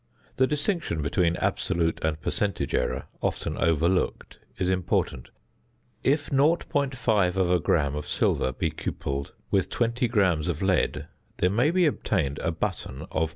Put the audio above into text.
The distinction between absolute and percentage error, often overlooked, is important. If 0.5 gram of silver be cupelled with 20 grams of lead, there may be obtained a button of 0.